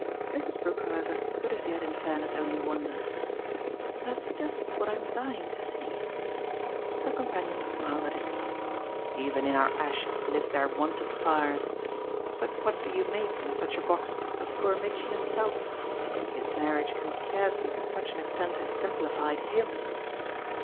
Mrs. Brook, however, could as yet in fairness only wonder. "That's just what I'm dying to see." Her companion smiled at it. "'Even in our ashes live their wonted fires'! But what do you make, in such a box, of poor Mitchy himself? His marriage can scarcely to such an extent have simplified HIM."